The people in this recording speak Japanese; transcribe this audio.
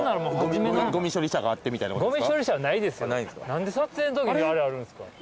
何で撮影のときにあれあるんですか。